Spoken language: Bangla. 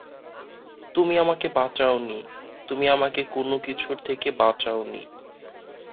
তুমি আমাকে বাঁচাওনি, তুমি আমাকে কোন-কিছুর থেকে বাঁচাওনি।